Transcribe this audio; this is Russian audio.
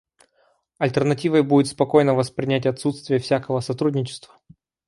Альтернативой будет спокойно воспринять отсутствие всякого сотрудничества.